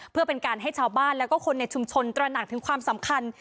เพื่อเป็นการให้ชาวบ้านแล้วก็คนในชุมชนตระหนักถึงความสำคัญ